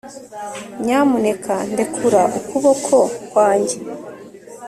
nyamuneka ndekure ukuboko kwanjye